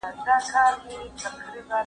نکاح يو ځای کېدو يا غوټي ته ويل کيږي